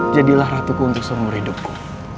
jadilah ratuku untuk seumur hidupku